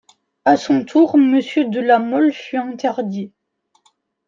A son tour, Monsieur de La Mole fut interdit.